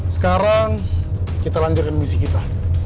sekarang kita lanjutkan misi kita